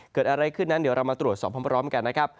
เกิดอะไรขึ้นนั้นเดี๋ยวเรามาตรวจสอบพร้อมกันนะครับ